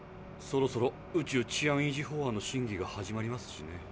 そろそろ宇宙治安維持法案の審議が始まりますしね。